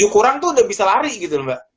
tujuh kurang tuh udah bisa lari gitu lho mbak